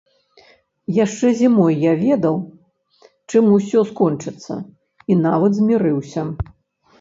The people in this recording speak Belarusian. Яшчэ зімой я ведаў, чым усё скончыцца, і нават змірыўся.